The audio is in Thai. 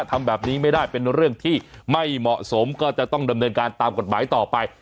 ทำแบบนี้ไม่ได้เป็นเรื่องที่ไม่เหมาะสมก็จะต้องดำเนินการตามกฎหมายต่อไป